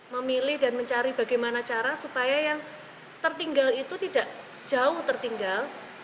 memilih dan mencari bagaimana cara supaya yang tertinggal itu tidak jauh tertinggal